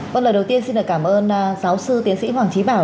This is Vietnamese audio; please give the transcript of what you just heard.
một lời đầu tiên xin cảm ơn giáo sư tiến sĩ hoàng trí bảo